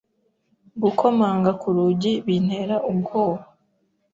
Gukomanga ku rugi bintera ubwoba.